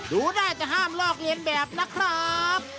ดูได้จะห้ามลอกเลียนแบบนะครับ